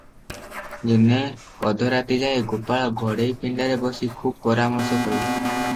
ଦିନେ ଅଧରାତି ଯାଏ ଗୋପାଳ ଘଡେଇ ପିଣ୍ଡାରେ ବସି ଖୁବ୍ ପରାମର୍ଶ କଲେ ।